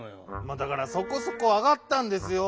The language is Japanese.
だから「そこそこあがった」んですよ。